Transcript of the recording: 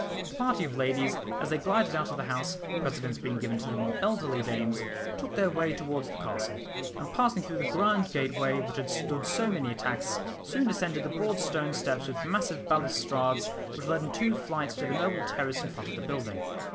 The party of ladies, as they glided out of the house, precedence being given to the more elderly dames, took their way towards the castle, and passing through the grand gateway which had stood so many attacks, soon ascended the broad stone steps with massive balustrades which led in two flights to the noble terrace in front of the building.